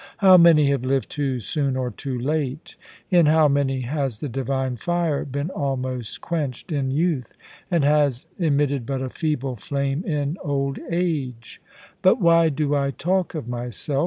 * How many have lived too soon or too late ! In how many has the divine fire been almost quenched in youth, and has emitted but a feeble flame in old age 1 But why do I talk of myself